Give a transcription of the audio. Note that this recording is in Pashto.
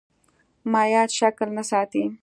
مایعات شکل نه ساتي.